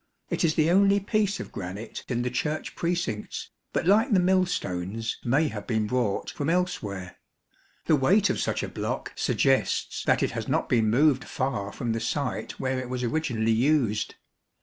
It is the only piece of granite in the Church precincts, but like the millstones may have been brought from elsewhere. The weight of such a block suggests that it has not been moved far from the site where it was originally used.